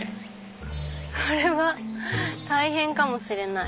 これは大変かもしれない。